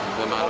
mau ke malang